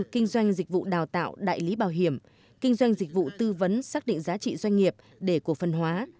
kinh doanh dịch vụ đào tạo đại lý bảo hiểm kinh doanh dịch vụ tư vấn xác định giá trị doanh nghiệp để cổ phần hóa